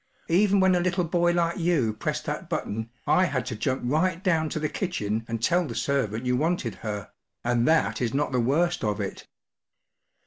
Even when a little boy like you pressed that button, I had to jump right down to the kitchen and tell the servant you wanted her, and that is not the worst of it.